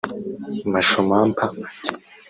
Masho Mampa ati